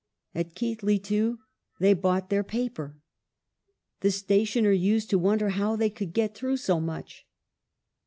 At Keighley, too, they bought their paper. The stationer used to wonder how they could get through so much.